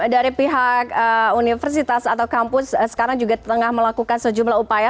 dari pihak universitas atau kampus sekarang juga tengah melakukan sejumlah upaya